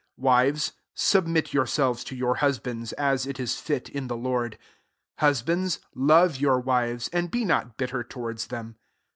18 Wives, submit yoors^ves to your husbands, as it is fit, in the Lord. 19 Husbands, love your wives, and be not bitter towards them.